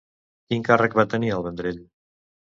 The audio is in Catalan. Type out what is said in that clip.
Quin càrrec va tenir al Vendrell?